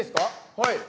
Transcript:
はい。